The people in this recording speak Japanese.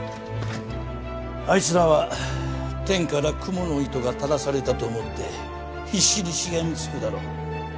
あいつらは天からクモの糸が垂らされたと思って必死にしがみつくだろう。